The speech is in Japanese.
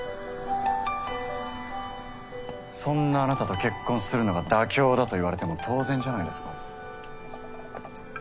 そんなあなたと結婚するのが妥協だと言われても当然じゃないですか？